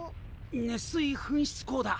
熱水噴出孔だ。